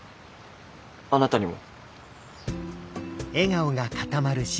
あなたにも。